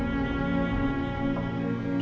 terima kasih ya